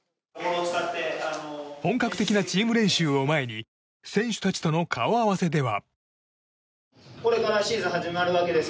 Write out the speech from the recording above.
本格的なチーム練習を前に選手たちとの顔合わせでは。